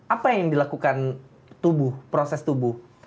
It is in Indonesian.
apa yang dilakukan tubuh proses tubuh